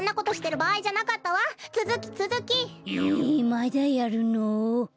まだやるの？